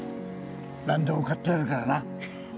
何でも買ってやるからな。